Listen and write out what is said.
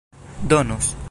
donos